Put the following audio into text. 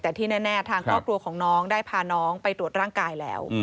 แต่ที่แน่ทางครอบครัวของน้องได้พาน้องไปตรวจร่างกายแล้ว